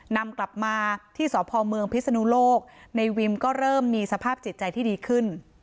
นำกลับมาที่สพเมืองพิศนุโลกในวิมก็เริ่มมีสภาพจิตใจที่ดีขึ้น